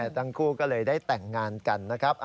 ทั้งคู่ก็เลยได้แต่งงานกันนะครับ